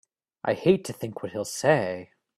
I hate to think what he'll say!